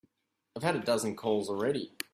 I've had a dozen calls already.